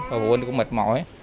và vụ huynh cũng mệt mỏi